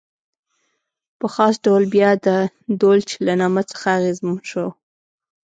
په خاص ډول بیا د دولچ له نامه څخه اغېزمن شو.